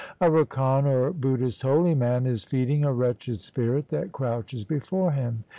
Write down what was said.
A rakan, or Buddhist holy man, is feeding a wretched spirit that crouches before him.